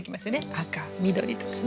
赤緑とかね。